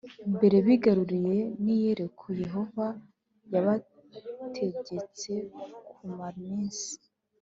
Mbere bigaruriye ni yeriko yehova yabategetse kumara iminsi